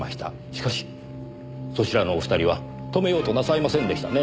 しかしそちらのお二人は止めようとなさいませんでしたね。